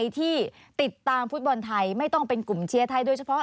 ที่ติดตามฟุตบอลไทยไม่ต้องเป็นกลุ่มเชียร์ไทยโดยเฉพาะ